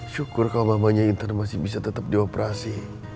syukur kalau mamanya intan masih bisa tetep di operasi